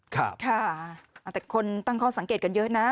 ค่ะแต่คนตั้งข้อสังเกตกันเยอะนะ